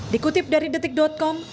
dikutip dari detik com